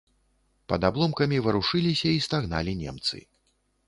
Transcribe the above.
Пад абломкамі варушыліся і стагналі немцы.